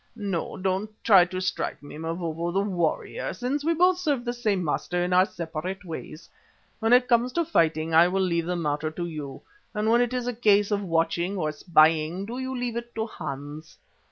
No, don't try to strike me, Mavovo the warrior, since we both serve the same master in our separate ways. When it comes to fighting I will leave the matter to you, but when it is a case of watching or spying, do you leave it to Hans.